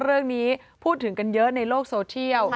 เรื่องนี้พูดถึงกันเยอะในโลกโซเชียล